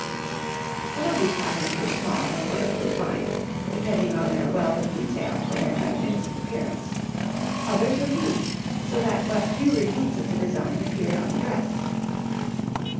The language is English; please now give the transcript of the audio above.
Some of these patterns were small and wonderfully fine, depending on their wealth of detail for their magnificent appearance, others were huge, so that but few repeats of the design appeared on the dress.